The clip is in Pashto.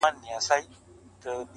o څه چي کرې هغه به رېبې٫